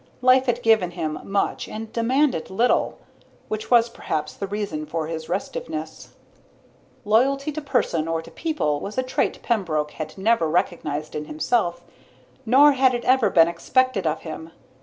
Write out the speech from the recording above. Life had given him much and demanded little, which was perhaps the reason for his restiveness. Loyalty to person or to people was a trait Pembroke had never recognized in himself, nor had it ever been expected of him.